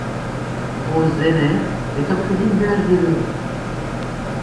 Rose Zehner est orpheline dès l'âge de neuf ans.